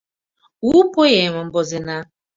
у поэмым возена.